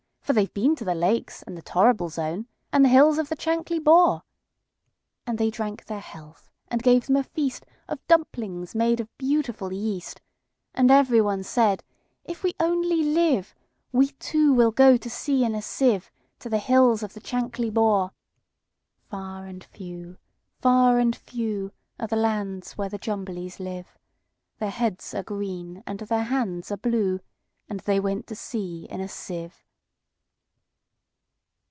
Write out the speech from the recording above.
For they've been to the Lakes, and the Torrible Zone, And the hills of the Chankly Bore."And they drank their health, and gave them a feastOf dumplings made of beautiful yeast; And every one said, "If we only live, We, too, will go to sea in a sieve, To the hills of the Chankly Bore."Far and few, far and few, Are the lands where the Jumblies live:Their heads are green, and their hands are blue; And they went to sea in a sieve.